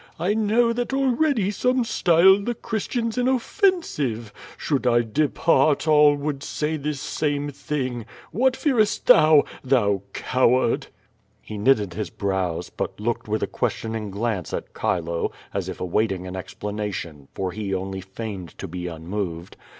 "I know that already some style the Christians inoffensive. Should I depart, all would say this same thing. What fearest thou? Thou coAvard!" He knitted his brows, but looked with a questioning glance at Chilo, as if awaiting an explanation, for he only feigned to be unmoved.